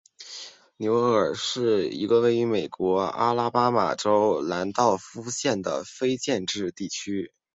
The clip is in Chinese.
纽厄尔是一个位于美国阿拉巴马州兰道夫县的非建制地区。